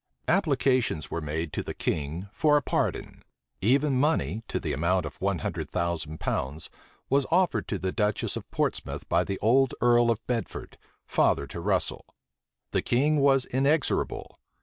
Applications were made to the king for a pardon: even money, to the amount of one hundred thousand pounds, was offered to the duchess of Portsmouth by the old earl of Bedford, father to Russel. The king was inexorable.